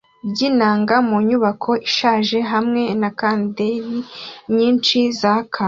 byinanga mu nyubako ishaje hamwe na kanderi nyinshi zaka